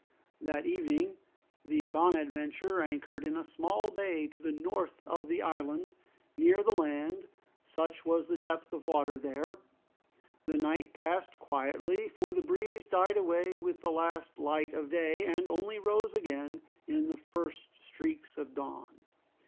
That evening the "Bonadventure" anchored in a small bay to the north of the island, near the land, such was the depth of water there. The night passed quietly, for the breeze died away with the last light of day, and only rose again with the first streaks of dawn.